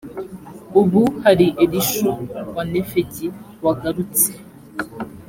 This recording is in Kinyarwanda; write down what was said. ubu hari elishu wa nefegi wagarutse